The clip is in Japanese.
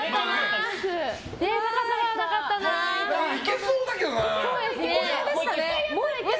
いけそうだけどな。